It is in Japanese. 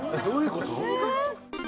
どういうこと？